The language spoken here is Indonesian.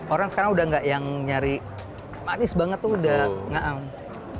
orang sekarang udah nggak yang nyari manis banget tuh